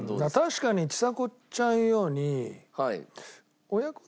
確かにちさ子ちゃんが言うように。